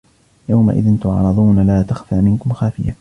يَوْمَئِذٍ تُعْرَضُونَ لا تَخْفَى مِنكُمْ خَافِيَةٌ